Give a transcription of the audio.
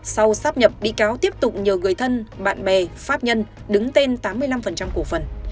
sau sắp nhập bị cáo tiếp tục nhờ người thân bạn bè pháp nhân đứng tên tám mươi năm cổ phần